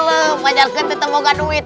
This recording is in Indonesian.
lo majar gede tuh gak ada duit